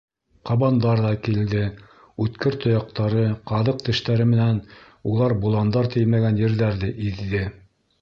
Ҡабандар ҙа килде, үткер тояҡтары, ҡаҙыҡ тештәре менән улар боландар теймәгән ерҙәрҙе иҙҙе.